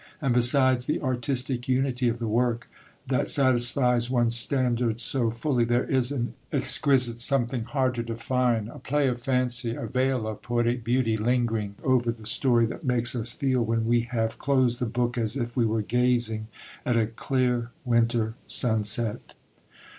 And besides the artistic unity of the work, that satisfies one's standards so fully, there is an exquisite something hard to define; a play of fancy, a veil of poetic beauty lingering over the story, that makes us feel when we have closed the book as if we were gazing at a clear winter sunset.